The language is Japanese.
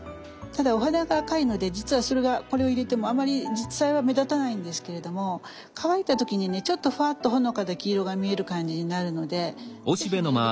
ただお花が赤いのでじつはそれがこれを入れてもあまり実際は目立たないんですけれども乾いた時にねちょっとふわっとほのかな黄色が見える感じになるので是非ね入れてほしいんですね。